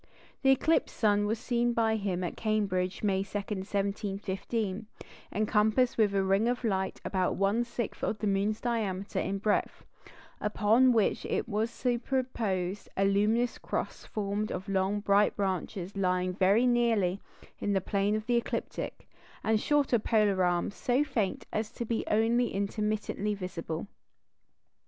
The eclipsed sun was seen by him at Cambridge, May 2, 1715, encompassed with a ring of light about one sixth of the moon's diameter in breadth, upon which was superposed a luminous cross formed of long bright branches lying very nearly in the plane of the ecliptic, and shorter polar arms so faint as to be only intermittently visible.